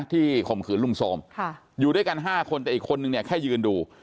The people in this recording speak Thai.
ข่มขืนลุงโทรมอยู่ด้วยกัน๕คนแต่อีกคนนึงเนี่ยแค่ยืนดู